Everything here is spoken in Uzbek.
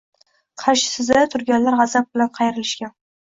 Qarshisida turganlar g‘azab bilan qayrilishgan